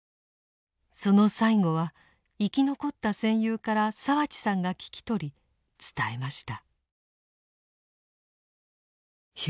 その最期は生き残った戦友から澤地さんが聞き取り伝えました。